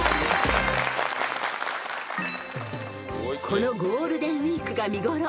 ［このゴールデンウィークが見頃］